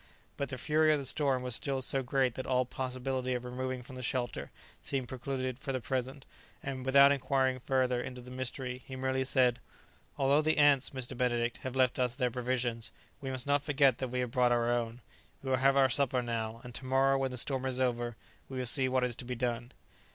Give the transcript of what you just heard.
But the fury of the storm was still so great that all possibility of removing from the shelter seemed precluded for the present, and, without inquiring farther into the mystery, he merely said, "Although the ants, Mr. Benedict, have left us their provisions, we must not forget that we have brought our own. We will have our supper now, and to morrow, when the storm is over, we will see what is to be done."